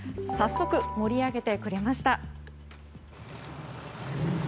早速、盛り上げてくれました。